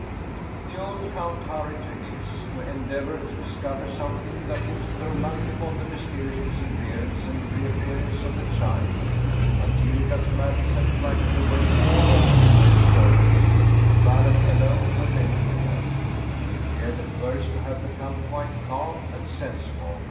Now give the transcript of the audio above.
" The old count hurried to X. to endeavor to discover something that would throw light upon the mysterious dis appearance and reappearance of the child. Angelica's madness had frightened away all her female servants ; the valet alone remained with her. She appeared at first to have become quite calm and sensible.